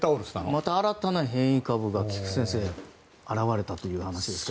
また新たな変異株が菊地先生現れたということです。